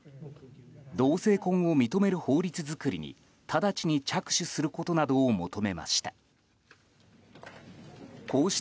同性婚を認める法律づくりに直ちに着手することなどを求めました。